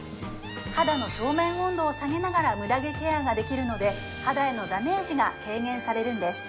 肌の表面温度を下げながらムダ毛ケアができるので肌へのダメージが軽減されるんです